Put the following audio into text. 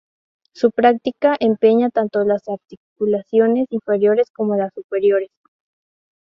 Su práctica empeña tanto las articulaciones inferiores como las superiores.